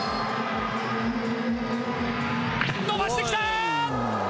のばしてきた。